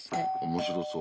面白そう。